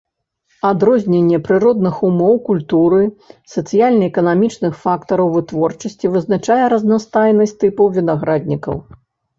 Адрозненне прыродных умоў культуры, сацыяльна-эканамічных фактараў вытворчасці вызначае разнастайнасць тыпаў вінаграднікаў.